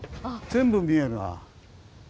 全部見えるな。